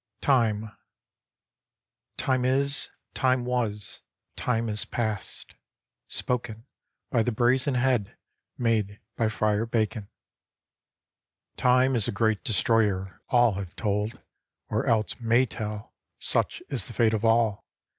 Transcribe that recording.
Time is !"Time was!" Time is past !" {^Spoken by the Brazen Head made by Friar Bacon.) TIME is a great Destroyer — all have told, Or else may tell (such is the fate of all